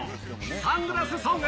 サングラスソング。